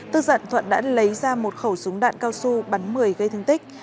tức giận thuận đã lấy ra một khẩu súng đạn cao su bắn một mươi gây thương tích